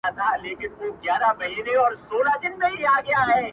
• چوپه خوله سو له هغې ورځي ګونګی سو,